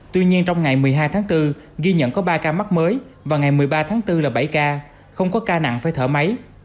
tuy nhiên trong ngày một mươi hai tháng bốn ghi nhận có ba ca mắc mới và ngày một mươi ba tháng bốn là bảy ca không có ca nặng phải thở máy